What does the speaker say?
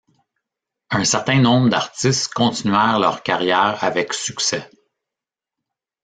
Un certain nombre d'artistes continuèrent leur carrière avec succès.